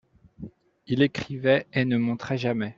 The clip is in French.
Il écrivait et ne montrait jamais.